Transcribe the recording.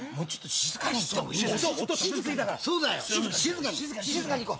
静かに行こう。